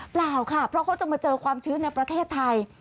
เปล่าค่ะเพราะเขาจะมาเจอความชื้นในประเทศไทย